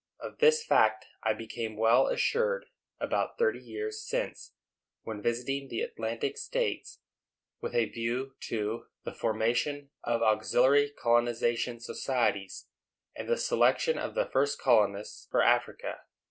Of this fact I became well assured, about thirty years since, when visiting the Atlantic states, with a view to the formation of auxiliary colonization societies, and the selection of the first colonists for Africa.